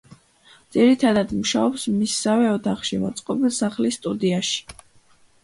ძირითადად, მუშაობს მისსავე ოთახში მოწყობილ სახლის სტუდიაში.